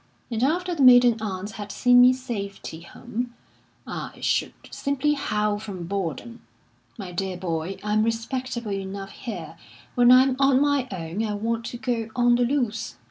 And after the maiden aunts had seen me safety home, I should simply howl from boredom. My dear boy, I'm respectable enough here. When I'm on my own, I want to go on the loose.